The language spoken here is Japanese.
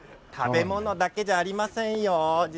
食べ物だけじゃありませんよ。